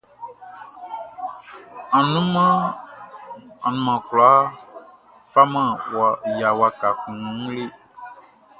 Anumanʼn kwlá faman ya waka kun wun le.